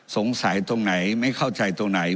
สงสัยตรงไหนไม่เข้าใจตรงไหน